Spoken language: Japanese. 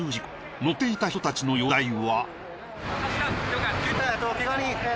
乗っていた人たちの容体は。